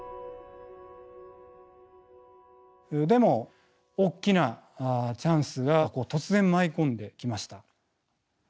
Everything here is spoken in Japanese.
でも大きなチャンスが突然舞い込んできました。